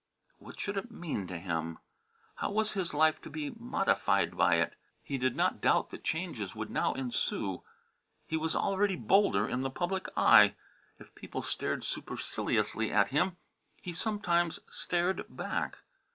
What should it mean to him? How was his life to be modified by it? He did not doubt that changes would now ensue. He was already bolder in the public eye. If people stared superciliously at him, he sometimes stared back.